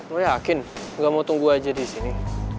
gue yakin gak mau tunggu aja disini